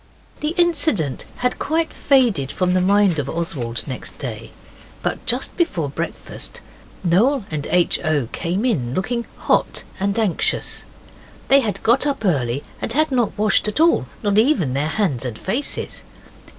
The incident had quite faded from the mind of Oswald next day. But just before breakfast Noel and H. O. came in, looking hot and anxious. They had got up early and had not washed at all not even their hands and faces.